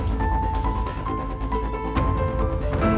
masuk kuliah dulu